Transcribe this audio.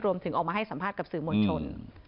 ออกมาให้สัมภาษณ์กับสื่อมวลชน